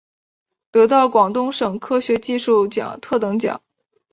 得到广东省科学技术奖特等奖。